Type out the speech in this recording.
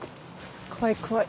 怖い怖い。